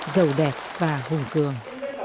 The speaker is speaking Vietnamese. giàu đẹp và hùng cường